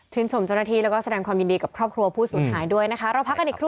ชมเจ้าหน้าที่แล้วก็แสดงความยินดีกับครอบครัวผู้สูญหายด้วยนะคะเราพักกันอีกครู